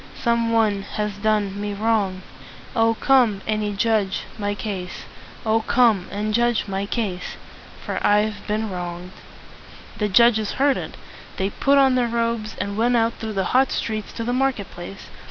Some one has done me wrong! Oh! come and judge my case! Oh! come and judge my case! For I've been wronged!" The judges heard it. They put on their robes, and went out through the hot streets to the market place.